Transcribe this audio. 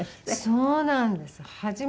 そうなんです。